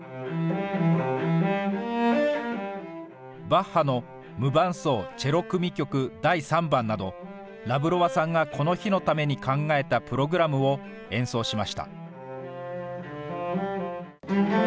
バッハの無伴奏チェロ組曲第３番など、ラブロワさんがこの日のために考えたプログラムを演奏しました。